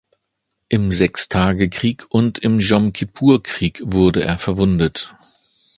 Im Sechstagekrieg und im Jom-Kippur-Krieg wurde er verwundet.